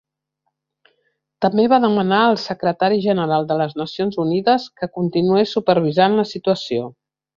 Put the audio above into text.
També va demanar al Secretari General de les Nacions Unides que continués supervisant la situació.